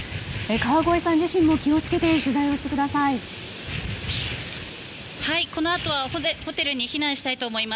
川越さん自身も気を付けて取材をしてください。